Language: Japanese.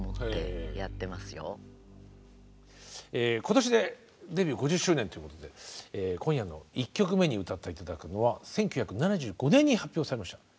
今年でデビュー５０周年ということで今夜の１曲目に歌って頂くのは１９７５年に発表されました